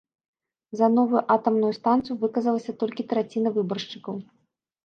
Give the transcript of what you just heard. За новую атамную станцыю выказалася толькі траціна выбаршчыкаў.